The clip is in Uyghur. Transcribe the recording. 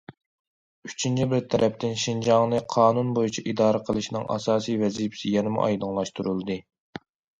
ئۈچىنچى بىر تەرەپتىن، شىنجاڭنى قانۇن بويىچە ئىدارە قىلىشنىڭ ئاساسىي ۋەزىپىسى يەنىمۇ ئايدىڭلاشتۇرۇلدى.